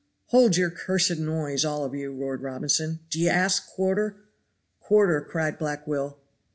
"Hold your cursed noise, all of you," roared Robinson. "D'ye ask quarter?" "Quarter!" cried Black Will.